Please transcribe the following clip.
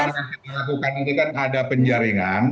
yang kita lakukan ini kan ada penjaringan